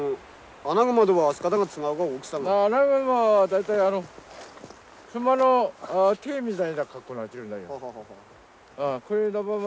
アナグマは大体熊の手みたいな格好になってるんだ。